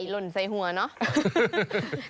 ไข่หล่นใส่หัวเนอะ